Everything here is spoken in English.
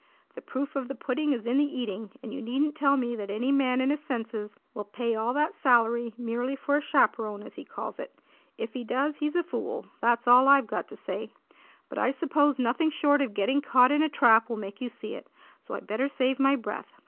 The proof of the pudding is in the eating, and you needn't tell me that any man in his senses will pay all that salary merely for a 'chaperon,' as he calls it. If he does, he's a fool; that's all I've got to say. But I suppose nothing short of getting caught in a trap will make you see it; so I better save my breath.